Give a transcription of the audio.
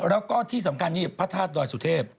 แล้วก็ที่สำคัญนี่พระธาตุดอยสุเทพ